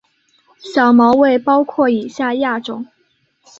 小毛猬包括以下亚种